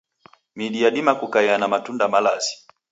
Midi yadima kukaia na matunda malazi.